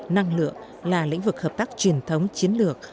năng lượng là lĩnh vực hợp tác truyền thống chiến lược